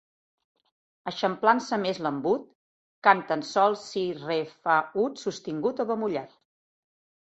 Eixamplant-se més l'embut, canten sol, si, re, fa, ut, sostingut o bemollat.